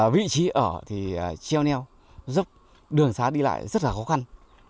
vị trí ở thì kheo léo giúp đường xá đi lại rất là khó khăn